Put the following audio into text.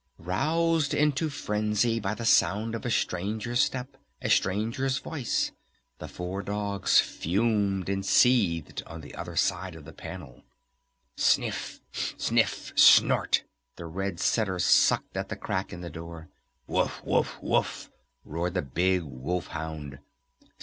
Roused into frenzy by the sound of a stranger's step, a stranger's voice, the four dogs fumed and seethed on the other side of the panel. "Sniff Sniff Snort!" the Red Setter sucked at the crack in the door. "Woof! Woof! Woof!" roared the big Wolf Hound.